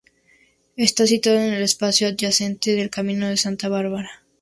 Está situado en un espacio adyacente del Camino de Santa Bárbara.